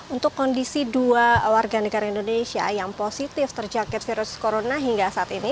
untuk kondisi dua warga negara indonesia yang positif terjangkit virus corona hingga saat ini